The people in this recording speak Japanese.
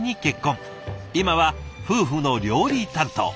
今は夫婦の料理担当。